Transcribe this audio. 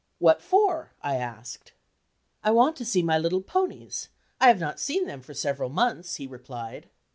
"What for?" I asked. "I want to see my little ponies; I have not seen them for several months," he replied.